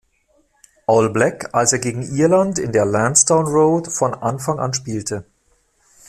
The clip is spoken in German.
All Black, als er gegen Irland in der Lansdowne Road von Anfang an spielte.